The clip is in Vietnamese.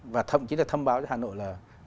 và thậm chí là thông báo cho hà nội là